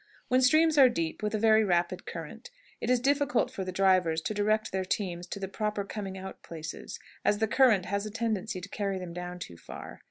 When streams are deep, with a very rapid current, it is difficult for the drivers to direct their teams to the proper coming out places, as the current has a tendency to carry them too far down.